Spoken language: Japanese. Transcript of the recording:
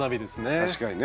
確かにね。